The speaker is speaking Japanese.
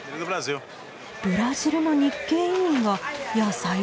ブラジルの日系移民が野菜をね。